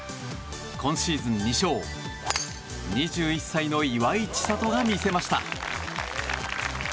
今シーズン２勝２１歳の岩井千怜が見せました。